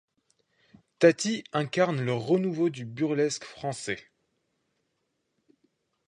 Tati incarne le renouveau du burlesque français.